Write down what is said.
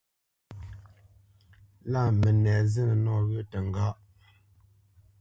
Lâ mənɛ zínə nɔwyə̂ təŋgá.